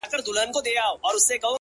مړه راگوري مړه اكثر ـ